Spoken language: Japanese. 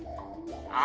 あ？